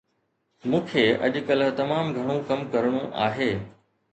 مون کي اڄڪلهه تمام گهڻو ڪم ڪرڻو آهي